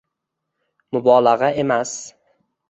Mubolag'a emas